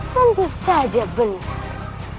tentu saja benar